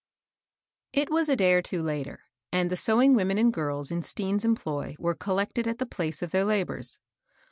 T was a day or two later, and the sewing* women and girls in Stean's employ were collected at the place of their labors.